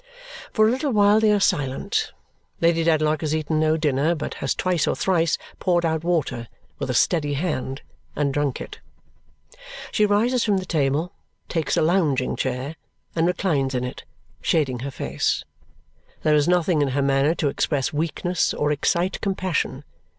For a little while they are silent. Lady Dedlock has eaten no dinner, but has twice or thrice poured out water with a steady hand and drunk it. She rises from table, takes a lounging chair, and reclines in it, shading her face. There is nothing in her manner to express weakness or excite compassion.